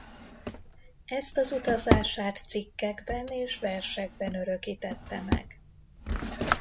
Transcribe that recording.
Ezt az utazását cikkekben és versekben örökítette meg.